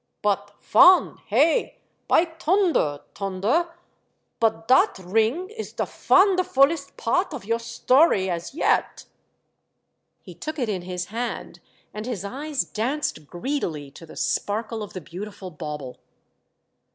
" But fon, hey ! By toonder, Toonder, but dot ring is der fonderfullest part of your story as yet." He took it in his hand and his eyes danced greedily to the sparkle of the beautiful bauble.